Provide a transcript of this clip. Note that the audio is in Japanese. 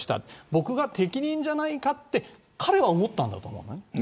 僕が適任じゃないかって彼は思ったんだと思う。